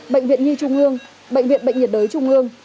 bệnh viện nhi trung ương bệnh viện bệnh nhiệt đới trung ương